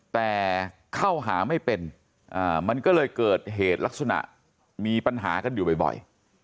แต่เข้าหาไม่เป็นมันก็เลยเกิดเหตุลักษณะมีปัญหากันอยู่บ่อย